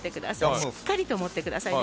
しっかりと持ってくださいね。